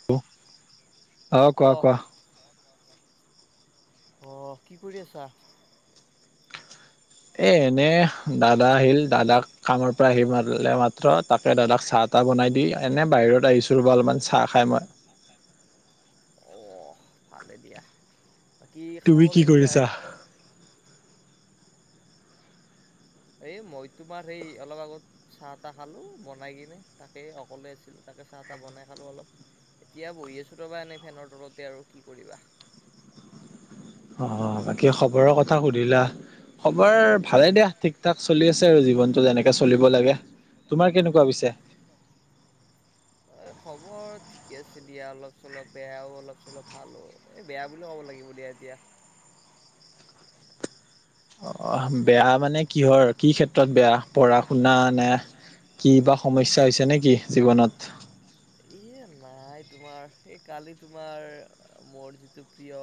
[unintelligible] অ', অ', কি কৰি আছা? এই এনেই দাদা আহিল, দাদাক কামৰ পৰা আহি পালে মাত্ৰ। তাকে দাদাক চাহ আটা বনাই দি এনে বাহিৰত আহিছোঁ ৰবা, অলপমান চাহ খাই মই। [unintelligible] অ', ভালে দিয়া, বাকী খা খবৰ কেনেকোৱাহে? এই মই তোমাৰ এই অলপ আগত চাহ টাহ খালোঁ বনাই কিনে। তাকে অকলে আছিলোঁ। তাকে চাহ টাহ বনাই খালোঁ অলপ। এতিয়া বহি আছোঁ ৰ'বা, এনে ফেনৰ তলতে আৰু কি কৰিবা। অ', বাকী খবৰৰ কথা সুধিলা, খবৰ ভালে দিয়া ঠিক ঠাক চলি আছে আৰু জীৱনতটো যেনেকে চলিব লাগে, তোমাৰ কেনেকুৱা পিছে? এই খবৰ ঠিকে আছে দিয়া। অলপ চলপ বেয়াও, অলপ চলপ ভালো, এই বেয়া বুলি ক'ব লাগিব দিয়া এতিয়া। অ', বেয়া মানে, কিহৰ কি ক্ষেত্ৰত বেয়া? পঢ়া শুনা নে কি বা সমস্যা হৈছে নে কি জীৱনত? এ, নাই তোমাৰ এই, কালি তোমাৰ মোৰ যিটো প্ৰিয়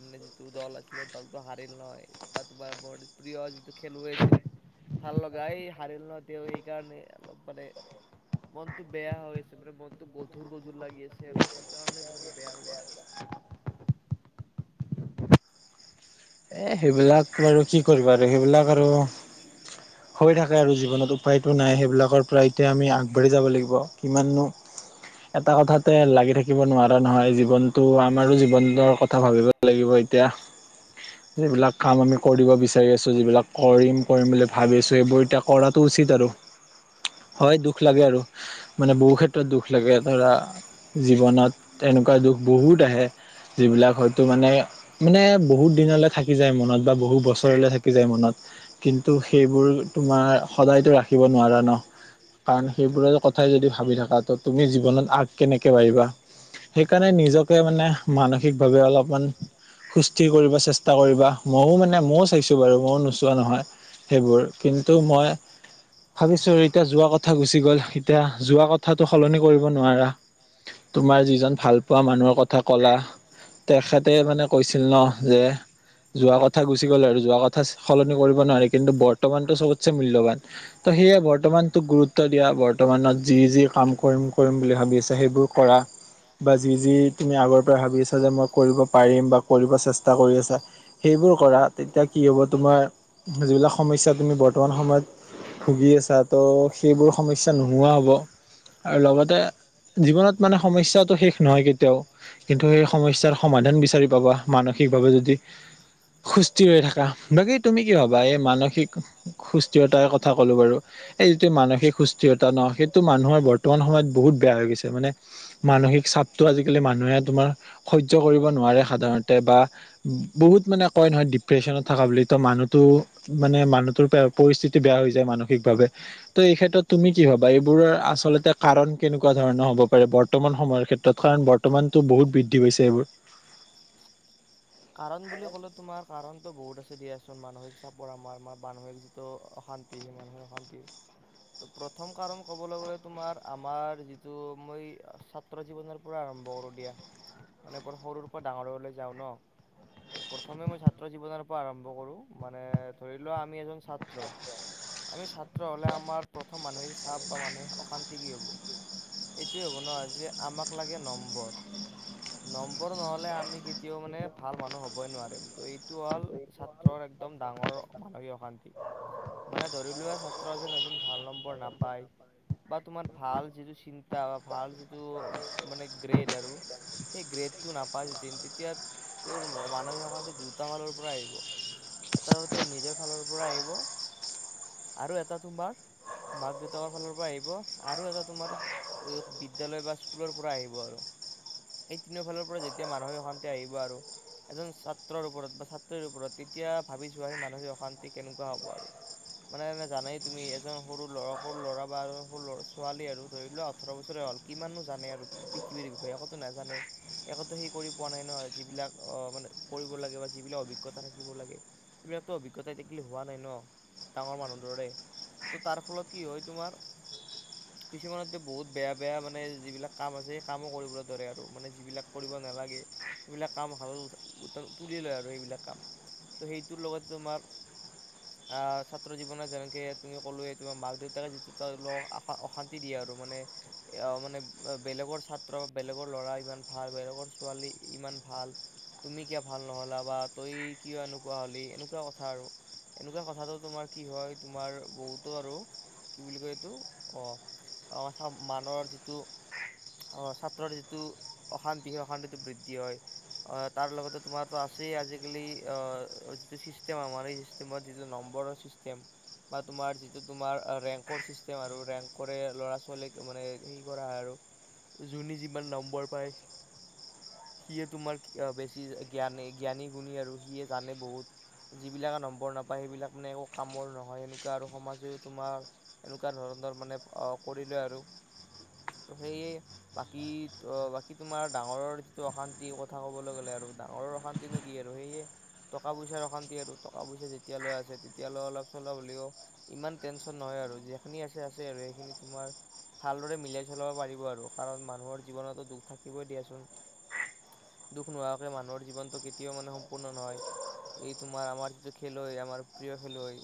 মানে, যিটো দল আছিলে, দলটো হাৰিল নহয় ত, তোমাৰ বৰ প্ৰিয় যিটো খেলুৱৈ আছিল ভাল লগা, এই হাৰিল ন', তেওঁ সেইকাৰণে অলপ মানে, মনতটো বেয়া হৈ [unintelligible] মনটো গধুৰ গধুৰ লাগি আছে আৰু সেইকাৰণে তোমাৰ বেয়া ৰবা। এ, সেইবিলাক বাৰু কি কৰিবা আৰু, সেইবিলাক আৰু হৈ থাকে আৰু জীৱনত উপায়টো নাই। সেইবিলাকৰ পৰা এতিয়া আমি আগবাঢ়ি যাব লাগিব। কিমাননো এটা কথাতে লাগি থাকিব নোৱাৰা নহয়, জীৱনটো, আমাৰো জীৱনটোৰ কথা ভাবিব লাগিব এতিয়া। যিবিলাক কাম আমি কৰিব বিচাৰি আছোঁ, যিবিলাক কৰিম কৰিম বুলি ভাবি আছোঁ, সেইবোৰ এতিয়া কৰাটো উচিত আৰু। [inaudible] হয় দুখ লাগে আৰু, মানে, বহু ক্ষেত্ৰত দুখ লাগে ধৰা জীৱনত, তেনেকুৱা দুখ বহুত আহে। যিবিলাক হয়তো মানে, মানে বহুত দিনলে থাকি যায় মনত, বা বহু বছৰলে থাকি যায় মনত। কিন্তু, সেইবোৰ তোমাৰ সদায়তো ৰাখিব নোৱাৰা ন'। কাৰণ সেইবোৰৰ কথাই যদি ভাবি থাকা, তো তুমি জীৱনত আগ কেনেকে বাঢ়িবা? সেইকাৰণে নিজকে মানে, মানসিকভাৱে অলপমান সুস্থিৰ কৰিব চেষ্টা হতা কৰিবা। ময়ো মানে ময়ো চাইছোঁ বাৰু ময়ো নোচোৱা নহয়, সেইবোৰ কিন্তু মই ভাবিছো, এতিয়া যোৱা কথা গুচি গ'ল, এতিয়া যোৱা কথাটো সলনি কৰিব নোৱাৰা। তোমাৰ যিজন ভাল পোৱা মানুহৰ কথা ক'লা। তেখেতে মানে কৈছিল ন', যে যোৱা কথা গুচি গ'ল আৰু, যোৱা কথা সলনি কৰিব নোৱাৰি। কিন্তু বৰ্তমানটো চবতছে মূল্যবান। তো, সেয়ে বৰ্তমান তোক গুৰুত্ব দিয়া, বৰ্তমানত যি যি কাম কৰিম কৰিম বুলি ভাবি আছা, সেইবোৰ কৰা। বা, যি যি তুমি আগৰ পৰা ভাবি আছা যে, মই কৰিব পাৰিম বা কৰিব চেষ্টা কৰি আছা। সেইবোৰ কৰা তেতিয়া কি হ'ব তোমাৰ যিবিলাক সমস্যা তুমি বৰ্তমান সময়ত ভুগি আছা ত' সেইবোৰ সমস্যাৰ নোহোৱা হ'ব। আৰু লগতে জীৱনত মানে সমস্যাটো শেষ নহয় কেতিয়াও। কিন্তু সেই সমস্যাৰ সমাধান বিচাৰি পাবা মানসিকভাৱে যদি সুস্থিৰ হৈ থাকা বাকী তুমি কি ভাবা? এই মানসিক সুস্থিৰতাৰ কথা ক'লো বাৰু। এই যিটো মানসিক সুস্থিৰতা ন সেইটো মানুহৰ বৰ্তমান সময়ত বহুত বেয়া হৈ গৈছে মানে মানসিক চাপতটো আজিকালি মানুহে তোমাৰ সহ্য কৰিব নোৱাৰে সাধাৰণতে বা বহুত মানে কয় নহয় ডিপ্ৰেচনত থকা বুলিতো মানুহতো মানে মানুহটোৰ পা পৰিস্থিতি বেয়া হৈ যায় মানসিকভাৱে ত' এই ক্ষেত্ৰত তুমি কি ভাবা? এইবোৰৰ আচলতে কাৰণ কেনেকুৱা ধৰণৰ হ'ব পাৰে বৰ্তমান সময়ৰ ক্ষেত তৎক্ষণাত বৰ্তমানতো বহুত বৃদ্ধি হৈছে এইবোৰ। কাৰণ বুলি ক'লে তোমাক কাৰণতটো বহুত আছে দিয়াচোন মানসিক চাপৰ আমাৰ মা মানসিক যিটো অশান্তি, সেই মানসিক অশান্তি ত' প্ৰথম কাৰণ ক'বলৈ গ'লে তোমাৰ আমাৰ যিটো মই চা সত্ৰ জীৱনৰ পৰা আৰম্ভ কৰোঁ দিয়া মানে বৰ সৰুৰ পৰা ডাঙৰলৈ যাওঁ ন? ত' প্ৰথমে মই ছাত্ৰ জীৱনৰ পৰা আৰম্ভ কৰোঁ মানে, ধৰি লোৱা আমি এজন ছাত্ৰ। আমি ছাত্ৰ হ'লে আমাৰ প্ৰথম মানসিক চাপ বা মানসিক অশান্তি কি হ'ব? এইটোৱে হ'ব নহ যে আমাক লাগে নম্বৰ। নম্বৰ নহ'লে আমি কেতিয়াও মানে ভাল মানুহ হ'বই নোৱাৰিম। ত' এইটো হ'ল ছাত্ৰৰ একদম ডাঙৰ মানসিক অশান্তি। মানে ধৰি লোৱা ছাত্ৰ এজন এজন ভাল নম্বৰ নাপায়। বা তোমাৰ ভাল যিটো চিন্তা বা ভাল যিটো মানে গ্ৰেড আৰু। সেই গ্ৰেডটো নাপায় যেতিন তেতিয়া তেওঁৰ ম মানসিক অশান্তি দুটা ফালৰ পৰা আহিব। এটা তেওঁ নিজৰ ফালৰ পৰা আহিব আৰু এটা তোমাৰ মাক দেউতাকৰ ফালৰ পৰা আহিব আৰু এটা তোমাৰ অই অক বিদ্যালয় বা স্কুলৰ পৰা আহিব আৰু। এই তিনিওফালৰ পৰা যেতিয়া মানুহে অশান্তি আহিব আৰু এজন ছাত্ৰৰ ওপৰত বা ছাত্ৰীৰ ওপৰত তেতিয়া ভাবি চোৱা সেই মানসিক অশান্তি কেনেকুৱা হ'ব আৰু। মানে জানাই তুমি এজন সৰু ল'ৱা সৰু ল'ৰা বা সৰু ল'ৰ ছোৱালী আৰু ধৰি লোৱা ওঠৰ বছৰে হ'ল। কিমাননো জানে আৰু পৃথিৱীৰ বিষয়ে একোতো নাজানে। একোতো সি কৰি পোৱা নাই নহ, যিবিলাক অ' মানে কৰিব লাগে বা যিবিলাক অভিজ্ঞতা থাকিব লাগে। এইবিলাকতো অভিজ্ঞতা এতিয়া কালি হোৱা নাই নহ, ডাঙৰ মানুহ দৰে ত' তাৰ ফলত কি হয় তোমাৰ কিছুমানত তো বহুত বেয়া বেয়া মানে যিবিলাক কাম আছে সেই কামো কৰিব দৰে আৰু মানে যিবিলাক কৰিব নালাগে। সেইবিলাক কাম হাতত ত তুলি লয় আৰু সেইবিলাক কাম। ত' সেইটোৰ লগত তোমাৰ [inaudible] আহ ছাত্ৰ জীৱনত যেনেকে তুমি ক'লোৱ তোমাৰ মাক দেউতাকে যিটো ত অশান্তি দিয়ে আৰু মানে এ মানে বেলেগৰ ছাত্ৰ বেলেগৰ ল'ৰা ইমান ভাল বেলেগৰ ছোৱালী ইমান ভাল তুমি কিয় ভাল নহ'লা বা তই কিয় এনেকুৱা হ'লি এনেকুৱা কথা আৰু। এনেকুৱা কথাটো তোমাৰ কি হয় তোমাৰ বহুতো আৰু কি বুলি কয়। এইটো অ মানৰ যিটো অ', ছাত তৰ যিটো অশান্তি সেই অশান্তিটো বৃদ্ধি হয়। অ, তাৰ লগতে তোমাৰ তো আছেই আজিকালি অ, যিটো চিষ্টেম আমাৰ ছিষ্টেমত যিটো নম্বৰৰ ছিষ্টেম। বা তোমাৰ যিটো তোমাৰ ৰেংকৰ ছিষ্টেম আৰু ৰেংকৰে ল'ৰা ছোৱালীক মানে হেৰি কৰা হয় আৰু। যোনে যিমান নম্বৰ পায়। সিয়ে তোমাৰ বেছি জ্ঞানী-জ্ঞানী গুণী আৰু সিয়ে জানে বহুত যিবিলাকে নম্বৰ নাপায়, সেইবিলাক মানে একো কামৰ নহয়। এনেকুৱা আৰু সমাজেও তোমাক এনেকুৱা ধৰণৰ মানে কৰিলেয় আৰু। ত সেয়ে কি বাকী তোমাৰ ডাঙৰৰ যিটো অশান্তিৰ কথা ক'বলৈ গ'লে আৰু ডাঙৰৰ অশান্তিনো কি আৰু সেয়ে টকা-পইচাৰ অশান্তি আৰু টকা-পইচা যেতিয়ালৈ আছে তেতিয়ালৈ অলপ-চলভ হ'লেও ইমান টেনচন নহয় আৰু যিখিনি আছে-আছে আৰু। সেইখিনি তোমাৰ ভালদৰে মিলাই চলাব পাৰিব আৰু। কাৰণ মানুহৰ জীৱনতো দুখ থাকিবই দিয়াচোন। দুখ নোহোৱাকৈ মানুহৰ জীৱনটো কেতিয়াও মানে সম্পূৰ্ণ নহয়। এই তোমাৰ আমাৰ যিটো খেলুৱৈ, আমাৰ প্ৰিয় খেলুৱৈ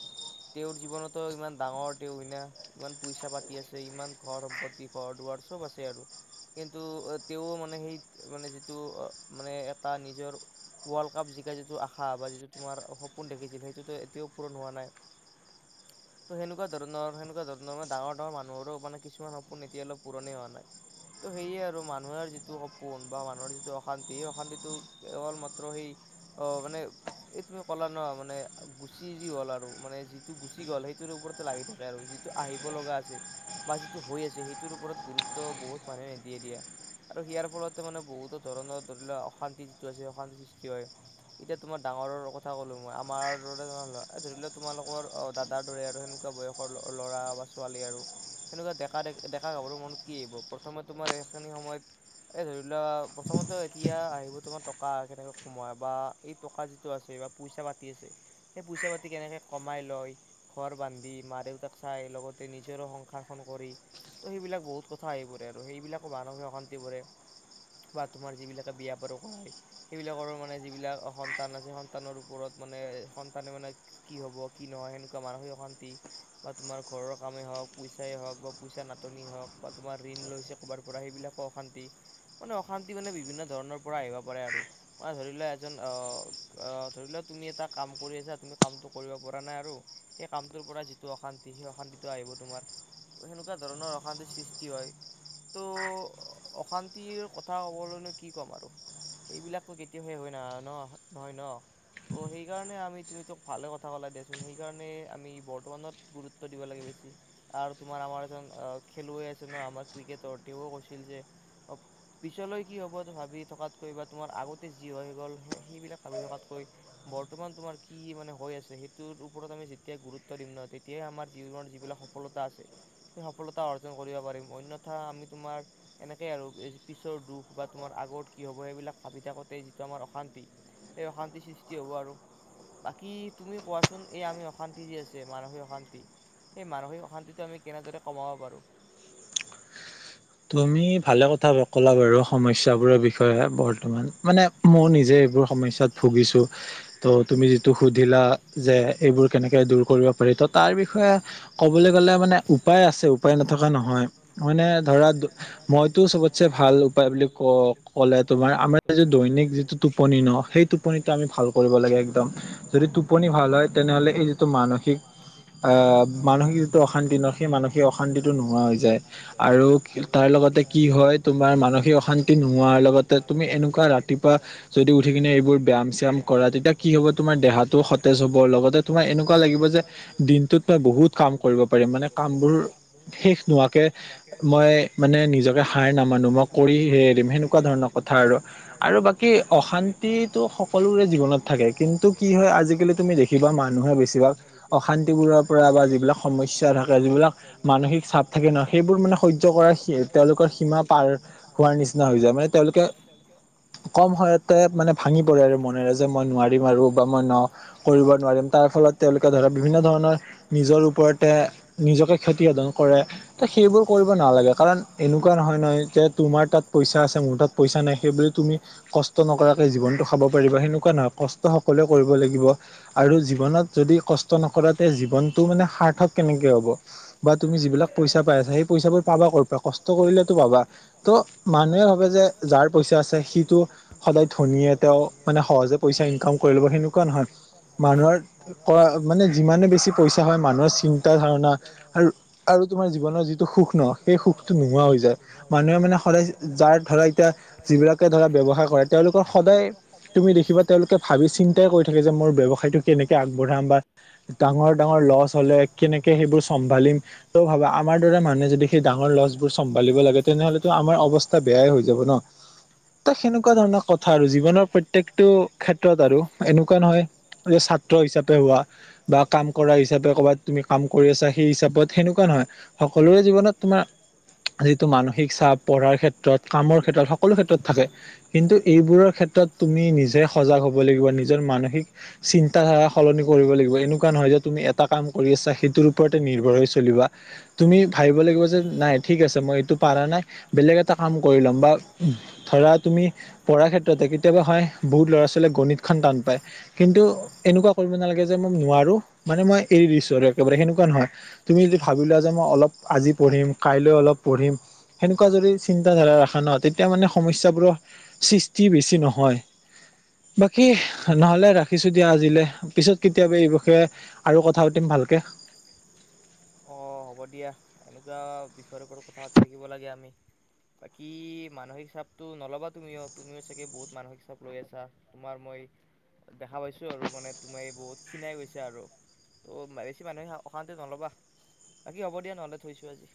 তেওঁৰ জীৱনতো ইমান ডাঙৰ তেওঁৰ হৈনা ইমান পইচা পাতি আছে, ইমান ঘৰ সম্পত্তি ঘৰ দুৱাৰ সব আছে আৰু। কিন্তু তেওঁ মানে সেই মানে যিটো মানে এটা নিজৰ ৱৰ্ল্ড কাপ জিকা যিটো আশা বা যিটো তোমাৰ সপোন দেখিছিল। সেইটোতো এতিয়াও পূৰণ হোৱা নাই। [inaudible] ত সনেৱা ধৰণৰ সনেৱা ধৰণৰ মান ডাঙৰ ডাঙৰ মানুহৰ মান কিছুমান সোন এতিয়া অলপ পুৰণি হোৱা নাই। তো সেয়ে আৰু মানুহৰ যিটো সপোন বা মানুহৰ যিটো অশান্তি সেই অশান্তিটো কেৱল মাত্ৰ সেই অ মানে এই তুমি ক'লা ন, মানে গুচি যি হ'ল আৰু মানে যিটো গুচি গ'ল সেইটো ওপৰত লাগি থাকে আৰু যিটো আহিব লগা আছে বা যিটো হৈ আছে সেইটোৰ ওপৰত গুৰুত্ব বহুত [unintelligible] দিয়া আৰু সিয়াৰ ফলতে মানে বহুতো ধৰণৰ ধৰি লোৱা অশান্তি যিটো আছে অশান্তি সৃষ্টি হয়। এতিয়া তোমাৰ ডাঙৰৰ কথা ক'লো মই আমাৰ [unintelligible] তোমালোকৰ অ দাদাৰ দৰে আৰু সেনেকুৱা বয়স ল'ৰা বা ছোৱালী আৰু সেনেকুৱা ডেকা ডকা ডেকা গাভৰুৰ মনত কি আহিব প্ৰথমে তোমাৰ এইখিনি সময়ত এই ধৰি লোৱা প্ৰথমতে এতিয়া আহিব তোমাৰ টকা কেনেকে কোমাই বা এই টকা যিটো আছে বা পইচা পাতি আছে। সেই পইচা পাতি কেনেকৈ কমাই লয়, ঘৰ বান্ধি, মা-দেউতাক চাই লগতে নিজৰো সংসাৰ খন কৰি ত সেইবিলাক বহুত কথা উৎসাহি পোৰে আৰু সেইবিলাকো মানুসিক অশান্তি পোৰে বা তোমাৰ যিবিলাকে বিয়া বাৰু কৰাই সেইবিলাকৰ মানে যিবিলাক সন্তান আছে সন্তানৰ ওপৰত মানে সন্তানে মানে কি হ'ব, কি নহয় সেনেকুৱা মানসিক অশান্তি বা তোমাৰ ঘৰৰ কামেই হওক, পইচাই হওক বা পইচা নাটনিই হওক। বা তোমাৰ ঋণ লৈছে ক'ৰবাৰ পৰা সেইবিলাকো অশান্তি, মানে অশান্তি মানে বিভিন্ন ধৰণৰ পৰা আহিব পাৰে আৰু, মানে ধৰি লোৱা এজন আহ ধৰি লোৱা তুমি এটা কাম কৰি আছা তুমি কামটো কৰিব পৰা নাই আৰু সেই কামটোৰ পৰা যিটো অশান্তি সেই অশান্তিটো আহিব তোমাৰ, সেনেকুৱা ধৰণৰ অশান্তিৰ সৃষ্টি হয়, ত'অশান্তিৰ কথা ক'বলৈন কি ক'ম আৰু। সেইবিলাকো কেতিয়াও শেষ হয় ন, ন নহয় ন ত' সেইকাৰণে আমি তুমি তোক ভালে কথা ক'লা দিয়া চোন, সেইকাৰণে আমি বৰ্তমানত গুৰুত্ব দিব লাগে বেছি। আৰু তোমাৰ আমাৰ এজন আহ খেলুৱৈ আছে ন আমাৰ ক্ৰিকেটৰ তেওঁও কৈছিল যে, অ পিছলৈ কি হ'ব ভাবি থকাতকৈ বা তোমাৰ আগতে যি হৈ গ'ল সেইবিলাক ভাবি থকাতকৈ বৰ্তমান তোমাৰ কি মানে হৈ আছে সেইটোৰ ওপৰত আমি যেতিয়া গুৰুত্ব দিম নহ তেতিয়ে আমাৰ জীৱনৰ যিবিলাক সফলতা আছে, সেই সফলতা অৰ্জন কৰিব পাৰিম। অন্যথা আমি তোমাৰ এনেকেই আৰু পিছৰ দুখ বা তোমাৰ আগত কি হ'ব সেইবিলাক ভাবি থাকোতে যিটো আমাৰ অশান্তি সেই অশান্তি সৃষ্টি হ'ব আৰু বাকী তুমি কোৱাচোন এই আমি অশান্তি যি আছে মানসিক অশান্তি সেই মানসিক অশান্তিটো আমি কেনেদৰে কমাব পাৰোঁ? তুমি ভালে কথা ক'লা বাৰু সমস্যাবোৰৰ বিষয়ে বৰ্তমান মানে মোৰ নিজে এইবোৰ সমস্যাত ভুগিছোঁ। ত' তুমি যিটো সুধিলা যে এইবোৰ কেনেকে দূৰ কৰিব পাৰি। তো তাৰ বিষয়ে ক'বলৈ গ'লে মানে উপায় আছে উপায় নথকা নহয়। মানে ধৰা মইতো চবতছে ভাল উপায় বুলি ক ক'লে তোমাৰ আমাৰ যটো দৈনিক যিটো টোপনি ন সেই টোপনিটো আমি ভাল কৰিব লাগে একদম যদি টোপনি ভাল হয় তেনেহ'লে এই যিটো মানসিক টো মানসিক আ, মানসিক যিটো অশান্তি ন সেই মানসিক অশান্তিটো নোহোৱা হৈ যায় আৰু তাৰ লগতে কি হয় তোমাৰ মানসিক অশান্তি নোহোৱাৰ লগতে তুমি এনেকুৱা ৰাতিপুৱা যদি উঠি কিনে এইবোৰ ব্যায়াম চয়াম কৰা তেতিয়া কি হব তোমাৰ দেহাটো সতেজ হব লগতে তোমাৰ এনেকুৱা লাগিব যে [unintelligible] [unintelligible] বহুত কাম কৰিব পাৰিম মানে কামবোৰ শেষ নোহোৱাকে মই মানে নিজকে হাৰ নামানো মই কৰি হে এৰিম মানে সেনেকুৱা ধৰণৰ কথা আৰু বাকী কি অশান্তিটো সকলোৰে জীৱনত থাকে, কিন্তু কি হয় আজিকালি তুমি দেখি কিবা মানুহে বেছিভাগ অশান্তি পৰা বা যিবিলাক সমস্যা থাকে যিবিলাক মানসিক চাপ থাকে ন সেইবোৰ মানে সহ্য কৰাৰ [unintelligible] তেওঁলোকৰ সীমা পাৰ হোৱাৰ নিচিনা হৈ যায় মানে তেওঁলোকে কম সময়তে মানে ভাঙি পৰে আৰু মনেৰে যে মই নোৱাৰিম আৰু বা মই ন কৰিব নোৱাৰিম তাৰ ফলত তেওঁলোকে ধৰা বিভিন্ন ধৰ নিজৰ ওপৰতে নিজকে ক্ষতি সাধন কৰে ত' সেইবোৰ কৰিব নালাগে কাৰণ এনেকুৱা নহয়-নহয় যে তোমাৰ তাত পইচা আছে মোৰ তাত পইচা নাই সেইবুলি তুমি ক কষ্ট নকৰাকৈ জীৱনটো খাব পাৰিবা সেনেকুৱা নহয় কষ্ট সকলোৱে কৰিব লাগিব আৰু জীৱনত যদি কষ্ট নকৰাত তে জীৱনটো মানে সাৰ্থক কেনেকে হ'ব বা তুমি যিবিলাক পইচা পাই আছাঁ সেই পইচা বোৰ পাবা ক'ৰ পৰা কষ্ট কৰিলেতো পাবা ত' মানুহে ভাবে যে যাৰ পইচা আছে সিটো সদায় ধনীয়ে তেওঁ মানে সহজে পইচা ইনকাম কৰি ল'ব সেনেকুৱা নহয় মানুহৰ মানে যিমানে বেছি পইচা হয় মানুহৰ চিন্তা ধাৰণা আৰু আৰু তোমাৰ জীৱনৰ যিটো সূখ ন [unintelligible] সেই সুখটো নোহোৱা হৈ যায় মানুহে মানে সদায় যাৰ ধৰা এতিয়া যিবিলাকে ধৰা ব্যৱসায় কৰে তেওঁলোকৰ সদায় তুমি দেখিবা তেওঁলোকে ভাবি চিন্তাই কৰি থাকে যে মোৰ ব্যৱসায়টো কেনেকে আগবঢ়াম বা ডাঙৰ ডাঙৰ লছ হ'লে কেনেকে সেইবোৰ চম্ভালিম, ত' ভাবা আমাৰ দৰে মানুহে যদি সেই ডাঙৰ লছবোৰ চম্ভালিব লাগে তেনেহ'লেতো আমাৰ অৱস্থা বেয়াই হৈ যাব ন ত' সেনেকুৱা ধৰণৰ কথা আৰু জীৱনৰ প্ৰত্যেক টো ক্ষেত্ৰত আৰু এনেকুৱা নহয় যে ছাত্ৰ হিচাপে হোৱা বা কাম কৰা হিচাপে ক'বাত তুমি কাম কৰি আছা সেই হিচাপত সেনেকুৱা নহয় সকলোৰে জীৱনত তোমাৰ যিটো মানসিক চাপ পঢ়াৰ ক্ষেত্ৰত কামৰ ক্ষেত্ৰত সকলো ক্ষেত্ৰত থাকে। কিন্তু এইবোৰৰ ক্ষেত্ৰত তুমি নিজে সজাগ হ'ব লাগিব নিজৰ মানসিক চিন্তাধাৰা সলনি কৰিব লাগিব এনেকুৱা এনেকুৱা নহয় যে তুমি এটা কাম কৰি আছা সেইটোৰ ওপৰতে নিৰ্ভৰ হৈ চলিবা। তুমি ভাবিব লাগিব যে নাই ঠিক আছে মই এইটো পাৰা নাই বেলেগ এটা কাম কৰি ল'ম বা ধৰা তুমি পঢ়াৰ ক্ষেত্ৰতে কেতিয়াবা হয় বহুত ল'ৰা ছোৱালীয়ে গণিতখন টান পায়, কিন্তু এনেকুৱা কৰিব নালাগে যে, মই নোৱাৰো মানে মই এৰি দিছোঁ আৰু একেবাৰে সেনেকুৱা নহয়। তুমি যদি ভাবি লোৱা যে, মই অলপ আজি পঢ়িম কাইলৈ অলপ পঢ়িম। সেনেকুৱা যদি চিন্তাাধাৰা ৰাখা ন তেতিয়া মানে সমস্যাবোৰৰ সৃষ্টি বেছি নহয়। বাকী নহলে ৰাখিছোঁ দিয়া আজিলে পিছত কেতিয়াবা এই বিষয়ে আৰু কথা পাতিম ভালকে। অ', হ'ব দিয়া এনেকুৱা বিষয়ৰ ওপৰত কথা পাতি থাকিব লাগে আমি। বাকী মানসিক চাপতটো নল'বা তুমিও- তুমিও চাগে বহুত মানসিক চাপ লৈ আছা। তোমাৰ মই দেখা পাইছোঁ আৰু মানে তুমি বহুত ক্ষীনাই গৈছাঁ আৰু ত, ' বেছি মানুহে অশান্তি নলবা। বাকী হ'ব দিয় নহলে থৈছোঁ আজি।